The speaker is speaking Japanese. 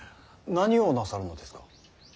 何をなさるのですか。